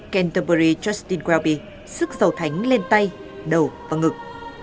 canterbury justin welby sức giàu thánh lên tay đầu và ngực